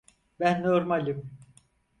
Ben normalim.